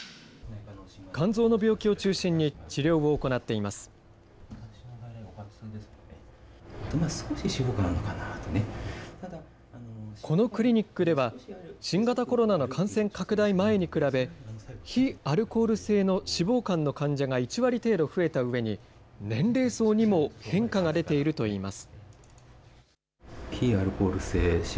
肝臓の病気を中心に治療を行ってこのクリニックでは、新型コロナの感染拡大前に比べ、非アルコール性の脂肪肝の患者が１割程度増えたうえに、年齢層にも変化が出ているといいます。